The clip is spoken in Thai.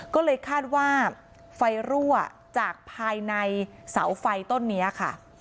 ก็เลยคาดว่าไฟรั่วจากภายในเสาไฟต้นนี้ค่ะ